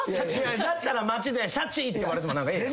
だったら街でシャチって呼ばれても何かええやん。